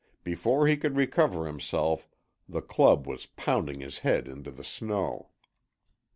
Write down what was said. Before he could recover himself the club was pounding his head into the snow.